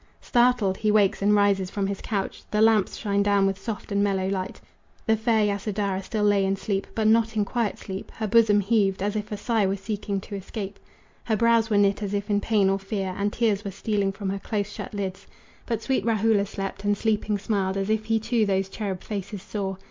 Startled he wakes and rises from his couch. The lamps shine down with soft and mellow light. The fair Yasodhara still lay in sleep, But not in quiet sleep. Her bosom heaved As if a sigh were seeking to escape; Her brows were knit as if in pain or fear, And tears were stealing from her close shut lids. But sweet Rahula slept, and sleeping smiled As if he too those cherub faces saw.